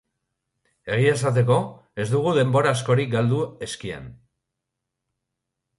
Egia esateko, ez dugu denbora askorik galdu eskean.